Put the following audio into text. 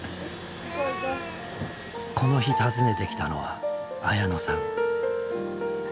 この日訪ねてきたのは綾乃さん。